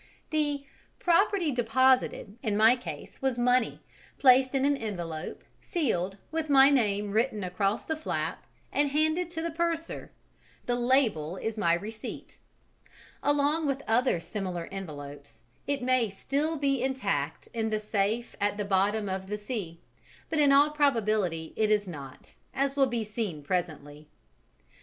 The "property deposited" in my case was money, placed in an envelope, sealed, with my name written across the flap, and handed to the purser; the "label" is my receipt. Along with other similar envelopes it may be still intact in the safe at the bottom of the sea, but in all probability it is not, as will be seen presently.